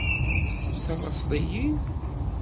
Tettalaseḍ-iyi?